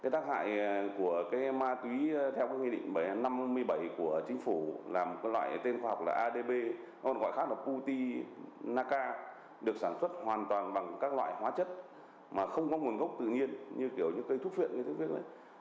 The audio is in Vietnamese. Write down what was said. loại ma túy theo nguyên định năm mươi bảy của chính phủ là một loại tên khoa học là adb gọi khác là butinaca được sản xuất hoàn toàn bằng các loại hóa chất mà không có nguồn gốc tự nhiên như cây thuốc phiện